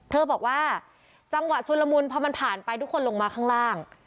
บอกว่าจังหวะชุนละมุนพอมันผ่านไปทุกคนลงมาข้างล่าง